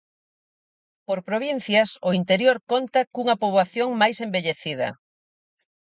Por provincias, o interior conta cunha poboación máis envellecida.